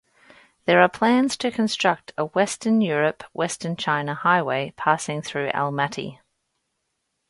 There are plans to construct a Western Europe-Western China highway, passing through Almaty.